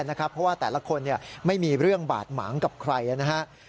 เพราะว่าแต่ละคนไม่มีเรื่องบาดหมางกับใครนะครับ